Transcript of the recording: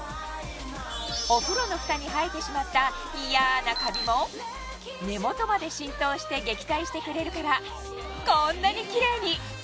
お風呂のフタに生えてしまった嫌なカビも根元まで浸透して撃退してくれるからこんなにキレイに！